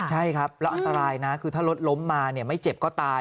ใช่ครับแล้วอันตรายนะคือถ้ารถล้มมาเนี่ยไม่เจ็บก็ตาย